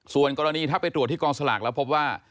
ส่วนกรณีถ้าไปตรวจที่กองสลากแล้วพบว่า